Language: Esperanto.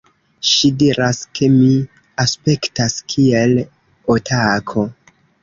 Ŝi diras, ke mi aspektas kiel otako